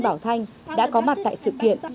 bảo thanh đã có mặt tại sự kiện